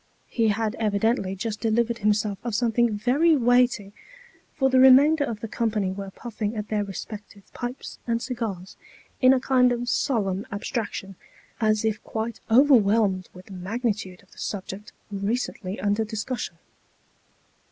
He had evidently just delivered himself of something very weighty ; for the remainder of the company were puffing at their respective pipes and cigars in a kind of solemn abstraction, as if quite overwhelmed with the magnitude of the subject recently under discussion.